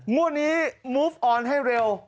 มุดนี้มอบออนให้เร็ว